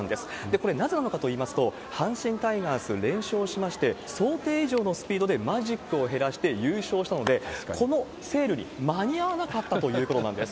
これ、なぜなのかといいますと、阪神タイガース連勝しまして、想定以上のスピードでマジックを減らして優勝したので、このセールに間に合わなかったということなんです。